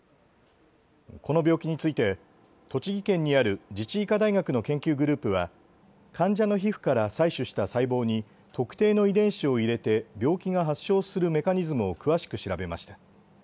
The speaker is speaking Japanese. この病気について栃木県にある自治医科大学の研究グループは患者の皮膚から採取した細胞に特定の遺伝子を入れて病気が発症するメカニズムを詳しく調べました。